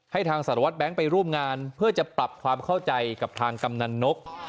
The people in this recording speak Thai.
ทางสารวัตรแบงค์ไปร่วมงานเพื่อจะปรับความเข้าใจกับทางกำนันนก